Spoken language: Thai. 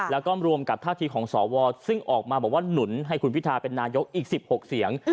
แล้วก็รวมกับท่าทีของสวซึ่งออกมาบอกว่าหนุนให้คุณพิทาเป็นนายกอีก๑๖เสียง